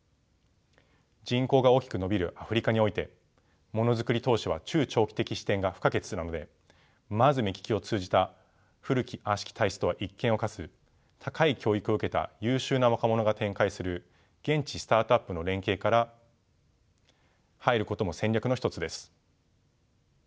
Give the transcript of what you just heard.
人口が大きく伸びるアフリカにおいてものづくり投資は中長期的視点が不可欠なのでまず目利きを通じた古き悪しき体質とは一線を画す高い教育を受けた優秀な若者が展開する現地スタートアップの連携から入ることも戦略の一つです。